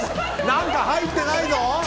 何か入ってないぞ？